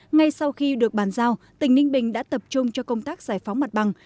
ngay sau khi được bàn giao tỉnh ninh bình đã tập trung cho công tác giải phóng mặt bằng